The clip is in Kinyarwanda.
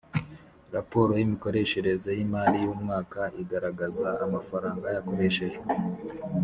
Raporo y’imikoreshereze y’imari y’umwaka igaragaza amafaranga yakoreshejwe